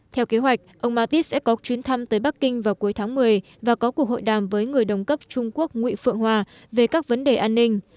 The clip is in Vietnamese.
theo kế hoạch ông mattis sẽ có chuyến thăm tới bắc kinh vào cuối tháng một mươi và có cuộc hội đàm với người đồng cấp trung quốc nguyễn phượng hòa về các vấn đề an ninh